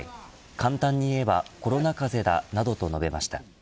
簡単に言えばコロナ風邪だなどと述べました。